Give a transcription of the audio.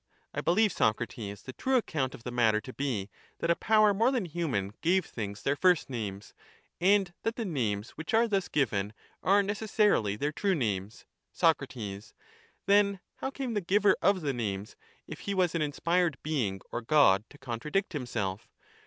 I believe, Socrates, the true account of the matter to be, that a power more than human gave things their first names, and that the names which are thus given are neces sarily their true names. Soc. Then how came the giver of the names, if he was an inspired being or God, to contradict himself?